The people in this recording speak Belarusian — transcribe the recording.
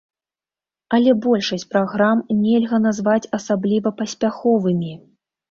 Але большасць праграм нельга назваць асабліва паспяховымі.